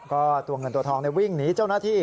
ก็ตัวเงินตัวทองวิ่งหนีเจ้าหน้าที่